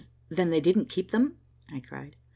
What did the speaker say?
"Then they didn't keep them?" I cried.